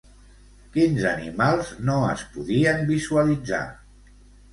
Quins animals no es podien visualitzar?